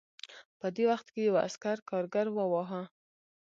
په دې وخت کې یو عسکر کارګر وواهه